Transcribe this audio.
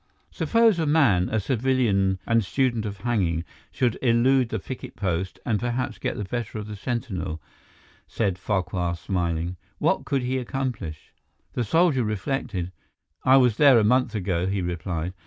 "Suppose a man—a civilian and student of hanging—should elude the picket post and perhaps get the better of the sentinel," said Farquhar, smiling, "what could he accomplish?" The soldier reflected. "I was there a month ago," he replied.